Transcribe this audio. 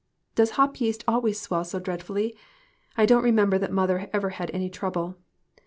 " Does hop yeast always swell so dreadfully ? I don't remember that mother ever had any trouble.